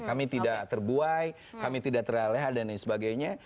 kami tidak terbuai kami tidak teraleha dan lain sebagainya